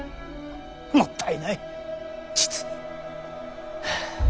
もったいない実に。